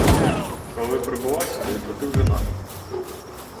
Коли прибула сюди, то ти вже наша.